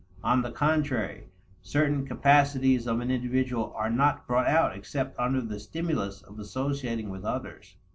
On the contrary, certain capacities of an individual are not brought out except under the stimulus of associating with others.